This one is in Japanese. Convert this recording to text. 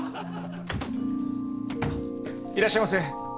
・いらっしゃいませ。